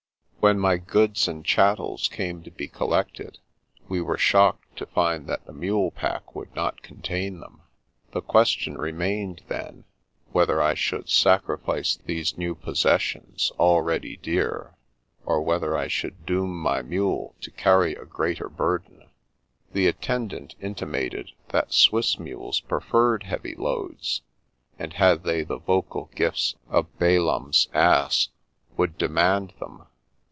When my goods and chattels came to be collected, we were shocked to find that the mule pack would not contain them. The question remained, then, whether I should sacrifice these new possessions, already dear, or whether I should doom my mule to carry a greater burden. The attendant intimated that Swiss mules preferred heavy loads, and had they the vocal gifts of Balaam's ass, would demand them.